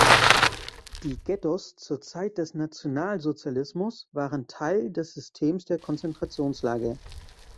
Die Ghettos zur Zeit des Nationalsozialismus waren Teil des Systems der Konzentrationslager.